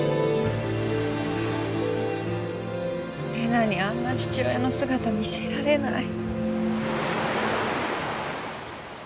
玲奈にあんな父親の姿見せられない。